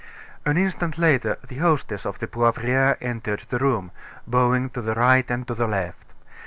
An instant later the hostess of the Poivriere entered the room, bowing to the right and to the left.